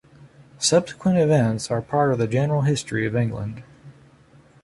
Subsequent events are part of the general history of England.